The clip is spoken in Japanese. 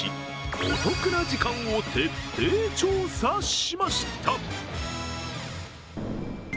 お得な時間を徹底調査しました！